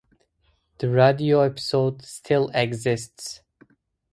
The radio episode still exists.